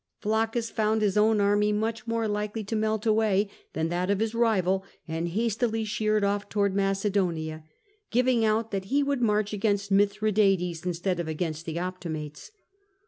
Fiaccus found his own army much more likely to melt away than that of his rival, and hastily sheered off towards Macedonia, giving out that he would march against Mithradates instead of against the Optimates.